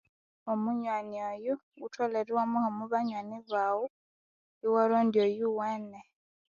Omunywani oyo wutholere iwamwiha omwa banyoni baghu iwarondya oyuwene.